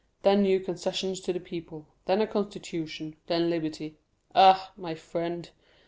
Then new concessions to the people, then a constitution, then liberty. Ah, my friend!"